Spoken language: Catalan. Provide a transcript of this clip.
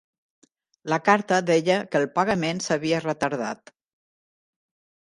La carta deia que el pagament s'havia retardat.